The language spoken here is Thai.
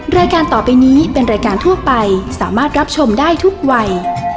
รายการต่อไปนี้เป็นรายการทั่วไปสามารถรับชมได้ทุกวัย